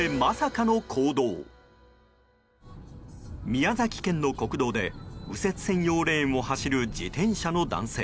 宮崎県の国道で右折専用レーンを走る自転車の男性。